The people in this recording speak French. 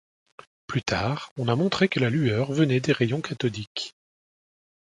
Plus tard, on a montré que la lueur venait des rayons cathodiques.